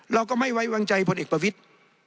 เราก็ไม่ไว้วางใจพลเอกประวิทธิ์